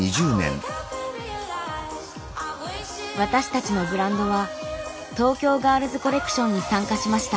私たちのブランドは東京ガールズコレクションに参加しました。